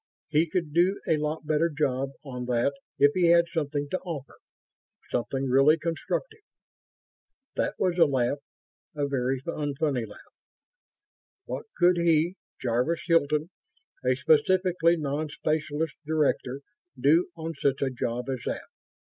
He could do a lot better job on that if he had something to offer ... something really constructive.... That was a laugh. A very unfunny laugh. What could he, Jarvis Hilton, a specifically non specialist director, do on such a job as that?